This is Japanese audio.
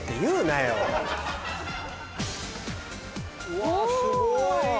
うわすごい！